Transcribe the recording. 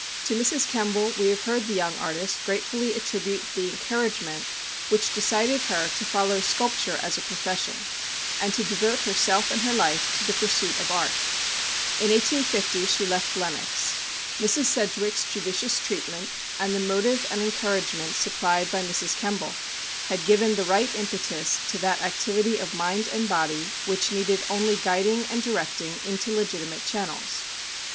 To Mrs. Kemble we have heard the young artist gratefully attribute the encouragement which decided her to follow sculpture as a profession, and to devote herself and her life to the pursuit of art. In 1850, she left Lenox. Mrs. Sedg wick's judicious treatment, and the motive and encouragement supplied by Mrs. Kemble, had given the right impetus to that activity of mind and body, which needed only guiding and directing into le gitimate channels.